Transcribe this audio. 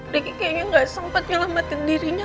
riki kayaknya nggak sempat nyelamatin dirinya